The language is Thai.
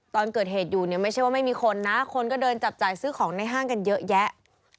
ตอนเกิดเหตุอยู่เนี่ยไม่ใช่ว่าไม่มีคนนะคนก็เดินจับจ่ายซื้อของในห้างกันเยอะแยะ